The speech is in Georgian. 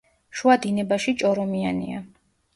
შუა დინებაში ჭორომიანია.